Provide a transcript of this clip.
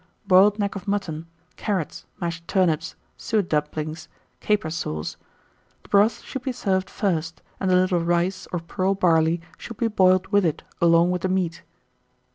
Boiled neck of mutton, carrots, mashed turnips, suet dumplings, and caper sauce: the broth should be served first, and a little rice or pearl barley should be boiled with it along with the meat.